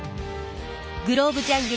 グローブジャングル